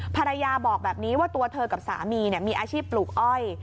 ภรรยาบอกแบบนี้ว่าตัวเธอกับสามีมีอาชีพปลูกอ้อย